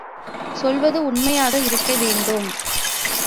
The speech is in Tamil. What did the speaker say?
சொல்வது உண்மையாக இருக்க வேண்டும்!